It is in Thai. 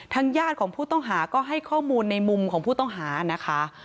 ญาติของผู้ต้องหาก็ให้ข้อมูลในมุมของผู้ต้องหานะคะ